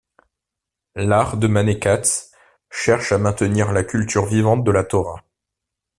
L'art de Mané-Katz cherche à maintenir la culture vivante de la Torah.